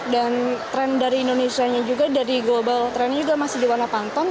dan tren dari indonesia juga dari global trennya juga masih di warna panton